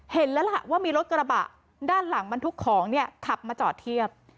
เห็นแล้วล่ะว่ามีรถกระบะด้านหลังบรรทุกของเนี่ยขับมาจอดเทียบ